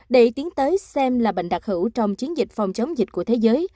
để tiến tới xem là bệnh đặc hữu trong chiến dịch phòng chống dịch của thế giới